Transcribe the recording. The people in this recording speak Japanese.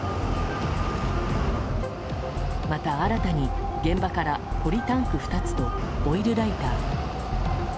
また、新たに現場からポリタンク２つとオイルライター。